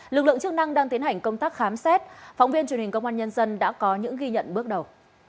lực lượng chức năng đang tiến hành công tác khám xét phóng viên truyền hình công an nhân dân đã có những ghi nhận bước đầu